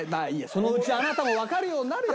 そのうちあなたもわかるようになるよ